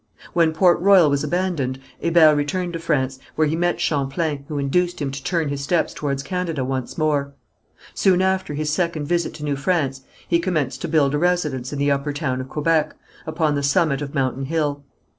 When Port Royal was abandoned, Hébert returned to France, where he met Champlain, who induced him to turn his steps towards Canada once more. Soon after his second visit to New France, he commenced to build a residence in the Upper Town of Quebec, upon the summit of Mountain Hill.